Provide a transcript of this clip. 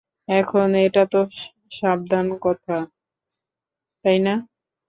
এখন এটা তো সাবধান কথা, তাই না?